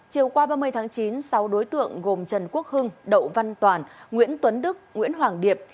chiều qua ba mươi tháng chín sáu đối tượng gồm trần quốc hưng đậu văn toàn nguyễn tuấn đức nguyễn hoàng điệp